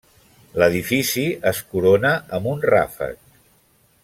L'edifici es corona amb un ràfec.